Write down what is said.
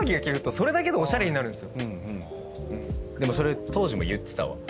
それ当時も言ってたわ。